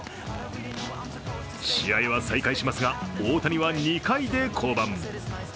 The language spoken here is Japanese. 試合は再開しますが、大谷は２回で降板。